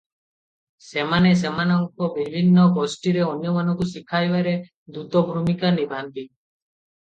ସେମାନେ ସେମାନଙ୍କ ବିଭିନ୍ନ ଗୋଷ୍ଠୀରେ ଅନ୍ୟମାନଙ୍କୁ ଶିଖାଇବାରେ ଦୂତ ଭୂମିକା ନିଭାନ୍ତି ।